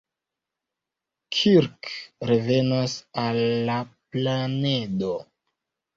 Kirk revenas al la planedo.